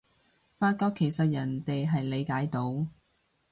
發覺其實人哋係理解到